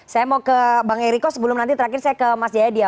saya mau ke bang eriko sebelum nanti terakhir saya ke mas jayadi ya